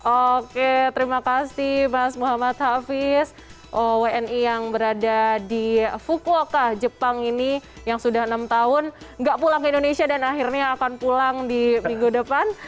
oke terima kasih mas muhammad hafiz wni yang berada di fukuoka jepang ini yang sudah enam tahun nggak pulang ke indonesia dan akhirnya akan pulang di minggu depan